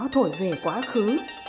thổi về quá khứ